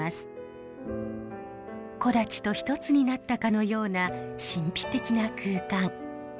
木立と一つになったかのような神秘的な空間。